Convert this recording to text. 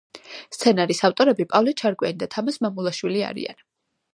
სცენარის ავტორები პავლე ჩარკვიანი და თამაზ მამულაშვილი არიან.